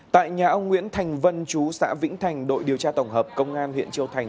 tại nhà ông nguyễn thành vân chú xã vĩnh thành đội điều tra tổng hợp công an huyện châu thành